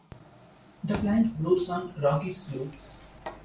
The plant grows on rocky slopes.